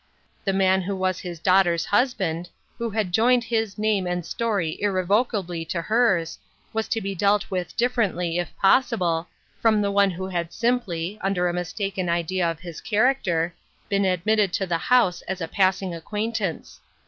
The man who was his daughter's husband, who had joined his name and story irrevocably to hers, was to be dealt with differently, if possible, from the one who had simply, under a mistaken idea of his character, been admitted to the house as a passing acquaintance.